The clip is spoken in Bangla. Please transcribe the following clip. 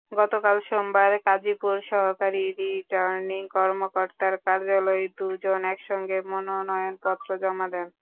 গতকাল সোমবার কাজীপুর সহকারী রিটার্নিং কর্মকর্তার কার্যালয়ে দুজন একসঙ্গে মনোনয়নপত্র জমা দেন।